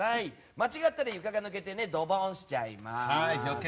間違ったら床が抜けてドボンしちゃいます。